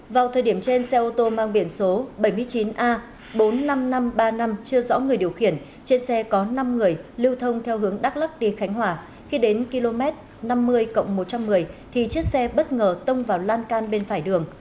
vào thời điểm trên xe ô tô mang biển số bảy mươi chín a bốn mươi năm nghìn năm trăm ba mươi năm chưa rõ người điều khiển trên xe có năm người lưu thông theo hướng đắk lắc đi khánh hòa khi đến km năm mươi một trăm một mươi thì chiếc xe bất ngờ tông vào lan can bên phải đường